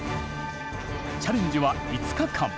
チャレンジは５日間。